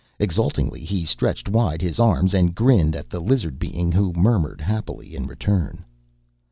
Exultingly, he stretched wide his arms and grinned at the lizard being who murmured happily in return.